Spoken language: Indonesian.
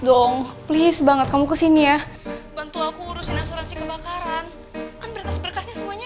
dong please banget kamu kesini ya bantu aku urusin asuransi kebakaran kan berkas berkasnya semuanya